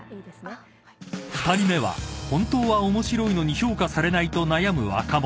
［２人目は本当は面白いのに評価されないと悩む若者］